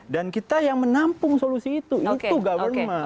dan kita yang menampung solusi itu itu government